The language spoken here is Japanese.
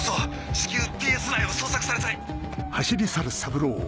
至急ＰＳ内を捜索されたい！